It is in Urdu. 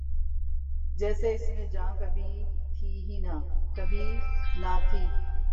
جیسے اس میں جان کبھی بھی نہ تھی۔